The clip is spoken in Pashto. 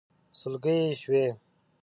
سلګۍ يې شوې.